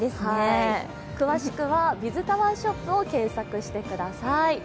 詳しくはビズタワーショップを検索してください。